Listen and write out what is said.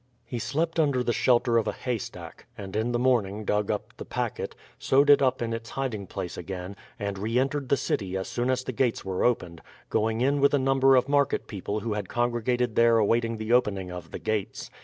He slept under the shelter of a haystack, and in the morning dug up the packet, sewed it up in its hiding place again, and re entered the city as soon as the gates were opened, going in with a number of market people who had congregated there awaiting the opening of the gates.